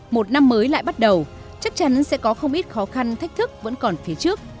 một năm mới lại bắt đầu chắc chắn sẽ có không ít khó khăn thách thức vẫn còn phía trước